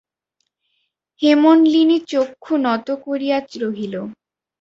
হেমনলিনী চক্ষু নত করিয়া রহিল।